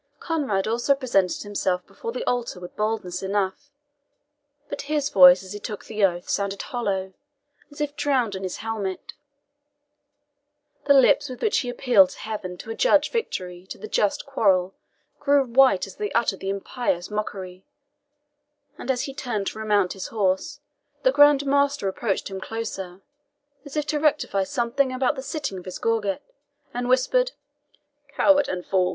Conrade also presented himself before the altar with boldness enough; but his voice as he took the oath sounded hollow, as if drowned in his helmet. The lips with which he appealed to Heaven to adjudge victory to the just quarrel grew white as they uttered the impious mockery. As he turned to remount his horse, the Grand Master approached him closer, as if to rectify something about the sitting of his gorget, and whispered, "Coward and fool!